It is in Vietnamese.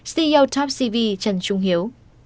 ceo topcv trần trung hiếu